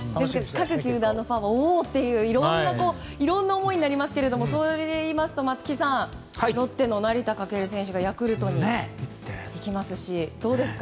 各球団のファンもいろいろな思いになりますがそれでいいますと、松木さんロッテの成田翔選手がヤクルトに行きますしどうですか？